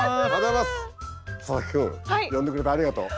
佐々木君呼んでくれてありがとう。